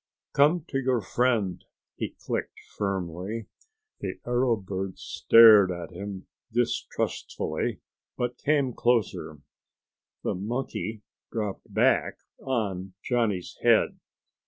"Come to your friend," he clicked firmly. The arrow bird stared at him distrustfully, but came closer. The monkey dropped back on Johnny's head.